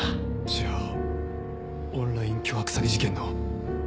じゃあオンライン巨額詐欺事件の真犯人は。